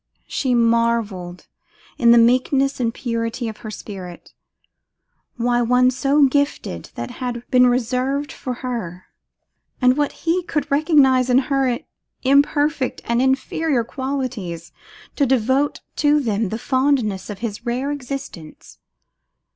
She marvelled, in the meekness and purity of her spirit, why one so gifted had been reserved for her, and what he could recognise in her imperfect and inferior qualities to devote to them the fondness of his rare existence.